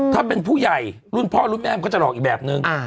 ถ้าเป็นผู้ใหญ่รุ่นพ่อรุ่นแม่มันก็จะหลอกอีกแบบนึง